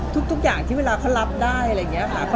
ทุกอย่างที่เวลาเขารับได้อะไรอย่างนี้ค่ะ